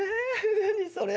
何それ？